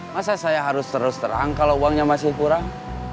masa saya harus terus terang kalau uangnya masih kurang